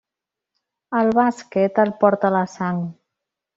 El bàsquet el porta a la sang.